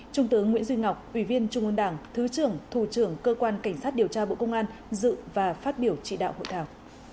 trung tướng nguyễn duy ngọc ủy viên trung ương đảng thứ trưởng thủ trưởng cơ quan cảnh sát điều tra bộ công an dự và phát biểu trị đạo hội thảo